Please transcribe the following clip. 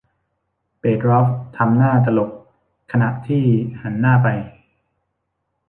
เปตรอฟทำหน้าตลกขณะที่หันหน้าไป